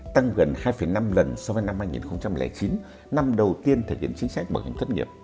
tăng gần hai năm lần so với năm hai nghìn chín năm đầu tiên thể hiện chính sách bảo hiểm thất nghiệp